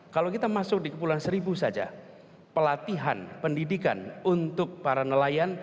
kalau kita masuk di kepulauan seribu saja pelatihan pendidikan untuk para nelayan